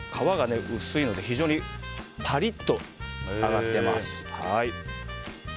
皮が薄いので非常にパリッと揚がってます。